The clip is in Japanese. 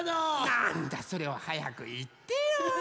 なんだそれをはやくいってよ。